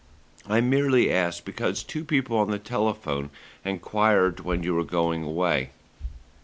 "I merely asked because two people on the telephone enquired when you were going away."